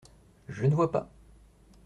Je ne vois pas !…